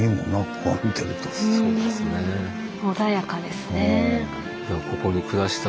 うん穏やかですね。